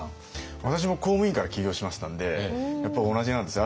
私も公務員から起業しましたんでやっぱり同じなんですよ